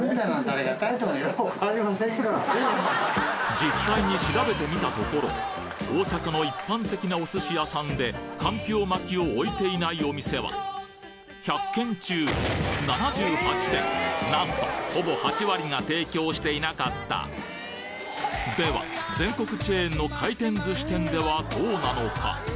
実際に調べてみたところ大阪の一般的なお寿司屋さんでかんぴょう巻きを置いていないお店はなんとほぼ８割が提供していなかったでは全国チェーンの回転寿司店ではどうなのか？